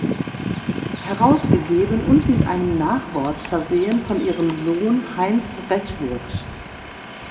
Herausgegeben und mit einem Nachwort versehen von ihrem Sohn Heinz Redwood.